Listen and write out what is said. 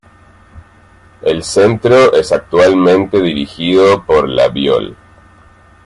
El centro es actualmente dirigido por la Biol.